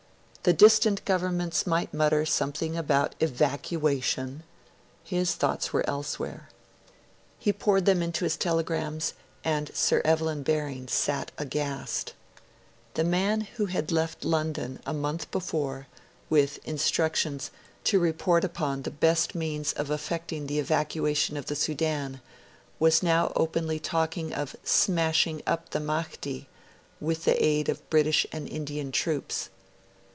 The distant governments might mutter something about 'evacuation'; his thoughts were elsewhere. He poured them into his telegrams, and Sir Evelyn Baring sat aghast. The man who had left London a month before, with instructions to 'report upon the best means of effecting the evacuation of the Sudan', was now openly talking of 'smashing up the Mahdi' with the aid of British and Indian troops.